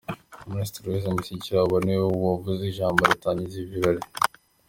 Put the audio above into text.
Minisitiri Louise Mushikiwabo ni we wavuze ijambo ritangiza ibi birori.